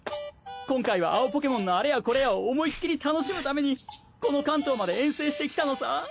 今回は青ポケモンのあれやこれやを思いっきり楽しむためにこのカントーまで遠征してきたのさ。